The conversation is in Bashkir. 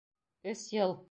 — Өс йыл!